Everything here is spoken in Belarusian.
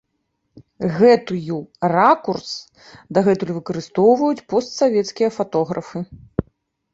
Гэтую ракурс дагэтуль выкарыстоўваюць постсавецкія фатографы.